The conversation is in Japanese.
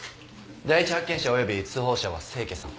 第一発見者および通報者は清家さん。